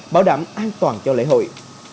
bảo đảm an toàn cho lễ hội